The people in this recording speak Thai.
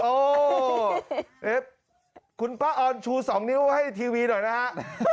โอ้คุณป้าออนชู๒นิ้วให้ทีวีหน่อยนะฮะ